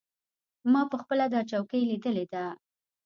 ما پخپله دا چوکۍ لیدلې ده.